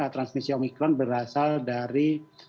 transmisi omicron berasal dari